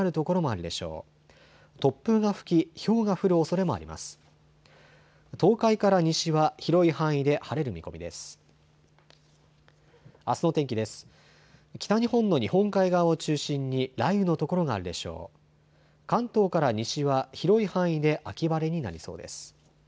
関東から西は広い範囲で秋晴れになりそうです。